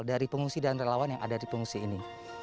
dari pengungsi dan relawan yang ada di pengungsi ini